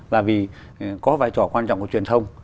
là vì có vai trò quan trọng của truyền thông